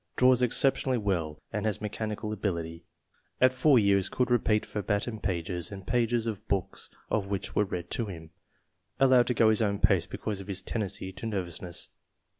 Draws exceptionally well and has mechanical ability. "At four years could repeat verbatim pages and pages of books which were read to him." Allowed to go his own pace because of his tendency to nervous ness.